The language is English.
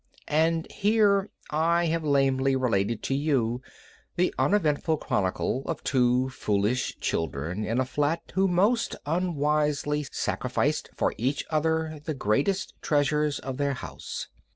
And here I have lamely related to you the uneventful chronicle of two foolish children in a flat who most unwisely sacrificed for each other the greatest treasures of their house.